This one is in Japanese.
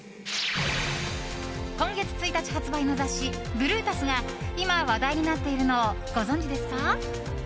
今月１日発売の雑誌「ＢＲＵＴＵＳ」が今、話題になっているのをご存知ですか？